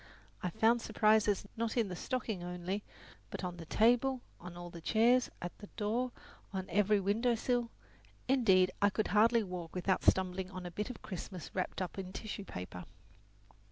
I found surprises, not in the stocking only, but on the table, on all the chairs, at the door, on the very window sill; indeed, I could hardly walk without stumbling on a bit of Christmas wrapped up in tissue paper.